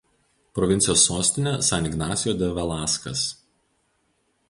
Provincijos sostinė San Ignasijo de Velaskas.